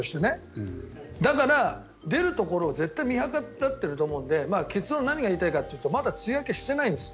だから、出るところを絶対に見計らっていると思うので結論は何を言いたいかというとまだ梅雨明けしていないんです。